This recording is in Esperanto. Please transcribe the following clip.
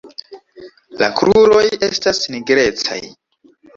La kruroj estas nigrecaj.